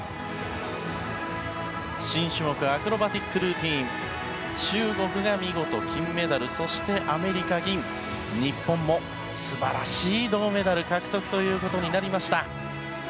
新種目アクロバティックルーティン中国が見事、金メダルそしてアメリカ、銀日本も素晴らしい銅メダル獲得ということになりました。